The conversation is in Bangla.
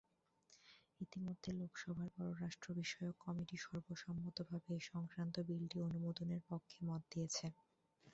ইতিমধ্যে লোকসভার পররাষ্ট্রবিষয়ক কমিটি সর্বসম্মতভাবে এ সংক্রান্ত বিলটি অনুমোদনের পক্ষে মত দিয়েছে।